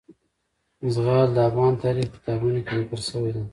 زغال د افغان تاریخ په کتابونو کې ذکر شوی دي.